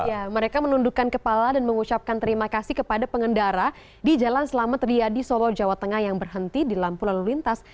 ya mereka menundukkan kepala dan mengucapkan terima kasih kepada pengendara di jalan selamat riyadi solo jawa tengah yang berhenti di lampu lalu lintas